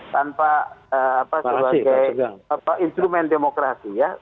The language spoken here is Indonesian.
tanpa sebagai instrumen demokrasi ya